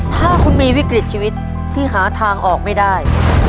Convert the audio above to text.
ถ้าคุณมีวิกฤตชีวิตที่หาทางออกไม่ได้